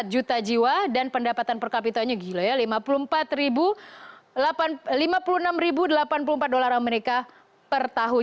tiga ratus dua belas empat juta jiwa dan pendapatan per kapitanya gila ya lima puluh empat delapan puluh enam dolar amerika per tahun